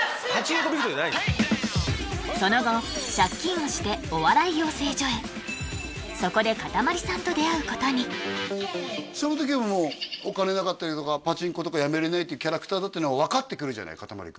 その後借金をしてそこでかたまりさんと出会うことにその時もうお金なかったりとかパチンコとかやめれないっていうキャラクターだってのは分かってくるじゃないかたまり